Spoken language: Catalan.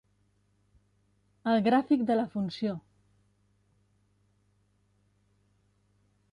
El gràfic de la funció.